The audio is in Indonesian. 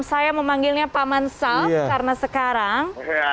saya memanggilnya pak mansal karena sekarang